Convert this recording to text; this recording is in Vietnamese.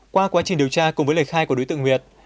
qua quá trình điều tra cùng với lời khai của đối tượng nguyệt